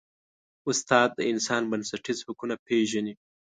استاد د انسان بنسټیز حقونه پېژني.